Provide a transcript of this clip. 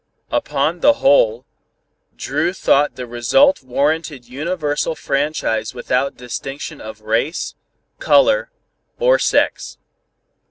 Upon the whole, Dru thought the result warranted universal franchise without distinction of race, color or sex.